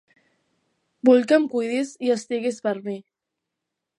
Vull que em cuidis i estiguis per mi.